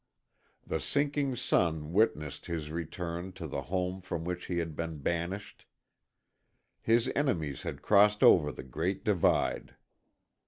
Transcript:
The sinking sun witnessed his return to the home from which he had been banished. His enemies had crossed over the great divide.